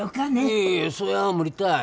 いやいやいやそれは無理たい。